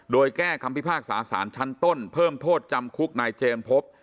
โดยแก้คำพิพากษาสารชั้นต้นเพิ่มโทษจำคุกนายเจนพบ